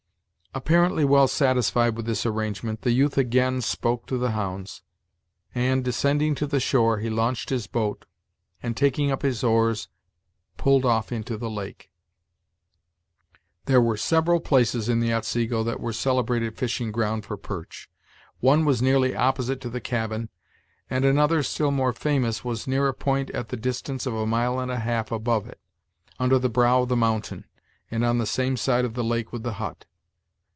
Apparently well satisfied with this arrangement, the youth again spoke to the hounds; and, descending to the shore, he launched his boat, and taking up his oars, pulled off into the lake. There were several places in the Otsego that were celebrated fishing ground for perch. One was nearly opposite to the cabin, and another, still more famous, was near a point, at the distance of a mile and a half above it, under the brow of the mountain, and on the same side of the lake with the hut.